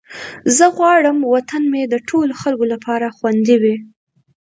زه غواړم وطن مې د ټولو خلکو لپاره خوندي وي.